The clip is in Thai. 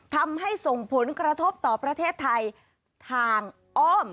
ทำให้ส่งผลกระทบต่อประเทศไทยทางอ้อม